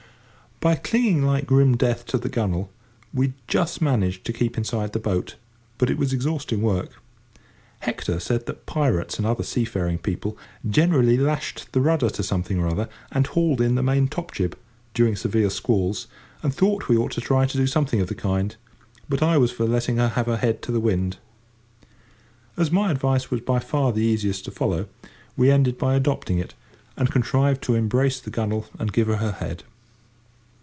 By clinging like grim death to the gunwale, we just managed to keep inside the boat, but it was exhausting work. Hector said that pirates and other seafaring people generally lashed the rudder to something or other, and hauled in the main top jib, during severe squalls, and thought we ought to try to do something of the kind; but I was for letting her have her head to the wind. As my advice was by far the easiest to follow, we ended by adopting it, and contrived to embrace the gunwale and give her her head.